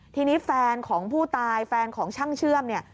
ทีนี้แฟนของผู้ตายแฟนของช่างเชื่อมเนี่ย